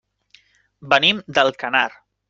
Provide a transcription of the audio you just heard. Venim d'Alcanar.